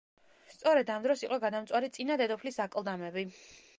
სწორედ ამ დროს იყო გადამწვარი წინა დედოფლის აკლდამები.